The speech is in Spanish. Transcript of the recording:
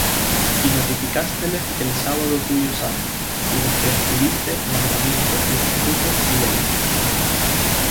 Y notificásteles el sábado tuyo santo, y les prescribiste, mandamientos y estatutos y ley.